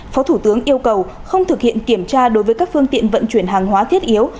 phó thủ tướng yêu cầu không thực hiện kiểm tra đối với các phương tiện vận chuyển hàng hóa thiết yếu